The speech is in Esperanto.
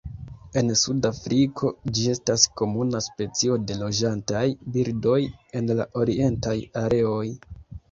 En suda Afriko ĝi estas komuna specio de loĝantaj birdoj en la orientaj areoj.